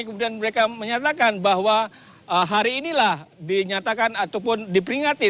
kemudian mereka menyatakan bahwa hari inilah dinyatakan ataupun diperingati